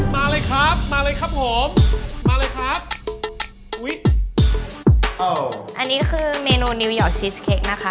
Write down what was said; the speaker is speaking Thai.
มาเลยครับมาเลยครับผมมาเลยครับอุ้ยอันนี้คือเมนูนิวยอร์กชีสเค้กนะคะ